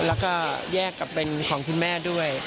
แล้วก็แยกกับเป็นของคุณแม่ด้วย